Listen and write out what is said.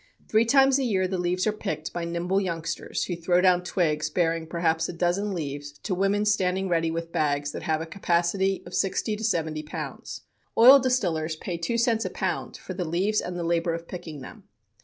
Three times a year the leaves are picked by nimble youngsters, who throw down twigs bearing perhaps a dozen leaves to women standing ready with bags that have a capacity of sixty to seventy pounds. Oil distillers pay two cents a pound for the leaves and the labor of picking them.